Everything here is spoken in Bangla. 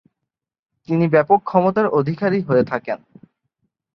তিনি ব্যাপক ক্ষমতার অধিকারী হয়ে থাকেন।